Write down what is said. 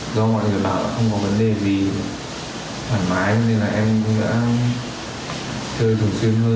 do mọi người bảo là không có vấn đề gì thoải mái nên là em cũng đã chơi thủ xuyên hơn